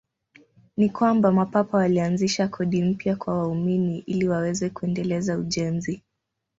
Ni kwamba Mapapa walianzisha kodi mpya kwa waumini ili waweze kuendeleza ujenzi.